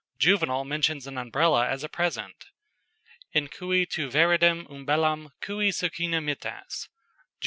"] Juvenal mentions an Umbrella as a present: "En cui tu viridem umbellam cui succina mittas" _Juv.